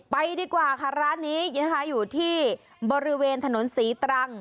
ไปดีกว่าค่ะร้านนี้นะคะอยู่ที่บริเวณถนนศรีตรัง